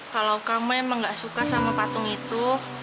kalau kamu emang gak suka sama patung itu